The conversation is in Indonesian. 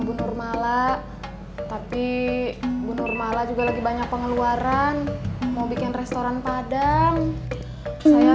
bunur malah tapi bunur malah juga lagi banyak pengeluaran mau bikin restoran padang saya